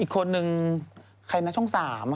อีกคนนึงใครนะช่อง๓